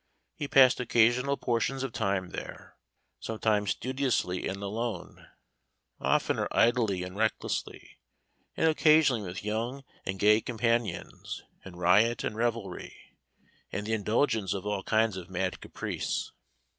He passed occasional portions of time there, sometimes studiously and alone, oftener idly and recklessly, and occasionally with young and gay companions, in riot and revelry, and the indulgence of all kinds of mad caprice.